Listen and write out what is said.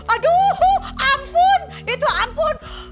aduh ampun itu ampun